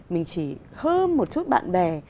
mình chỉ hơn một chút bạn bè